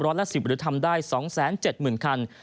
ร้อยละ๑๐หรือทำได้๒๗๐๐๐๐คัน